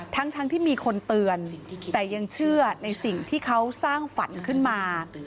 ทั้งที่มีคนเตือนแต่ยังเชื่อในสิ่งที่เขาสร้างฝันขึ้นมา